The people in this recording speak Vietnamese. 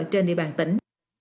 trên địa bàn tỉnh